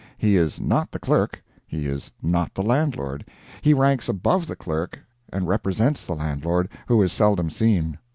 He is not the clerk, he is not the landlord; he ranks above the clerk, and represents the landlord, who is seldom seen.